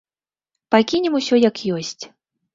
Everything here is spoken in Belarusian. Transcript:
Пакінем усё як ёсць.